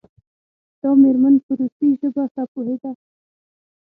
دا میرمن په روسي ژبه ښه پوهیده.